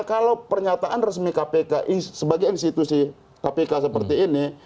kalau pernyataan resmi kpk sebagai institusi kpk seperti ini